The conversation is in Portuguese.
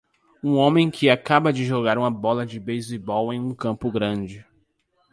Um homem que acaba de jogar uma bola de beisebol em um campo grande.